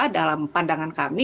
dalam pandangan kami